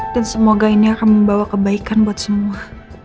dan semoga ini akan membawa kebaikan buat semua